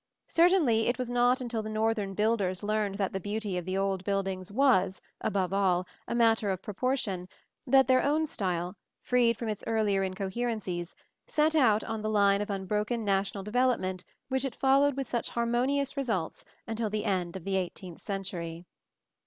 Certainly it was not until the Northern builders learned that the beauty of the old buildings was, above all, a matter of proportion, that their own style, freed from its earlier incoherencies, set out on the line of unbroken national development which it followed with such harmonious results until the end of the eighteenth century.